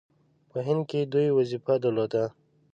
په هند کې دوی وظیفه درلوده.